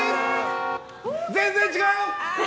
全然違う！